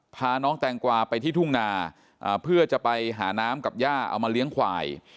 พาน้องแตงกวาไปที่ทุ่งนาเพื่อจะไปหาน้ำกับย่าเอามาเลี้ยงควาย